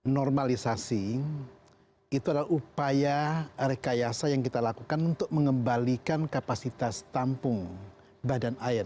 normalisasi itu adalah upaya rekayasa yang kita lakukan untuk mengembalikan kapasitas tampung badan air